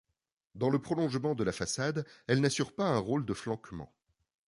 Dans le prolongement de la façade, elles n'assurent pas un rôle de flanquement.